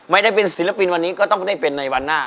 ไม่ได้เป็นศิลปินวันนี้ก็ต้องได้เป็นในวันหน้า